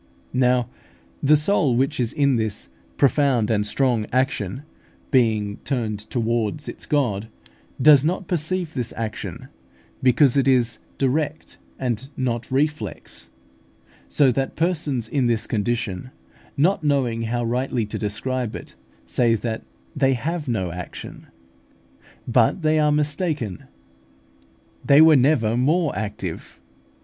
Now the soul which is in this profound and strong action, being turned towards its God, does not perceive this action, because it is direct, and not reflex; so that persons in this condition, not knowing how rightly to describe it, say that they have no action. But they are mistaken; they were never more active.